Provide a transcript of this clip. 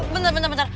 bentar bentar bentar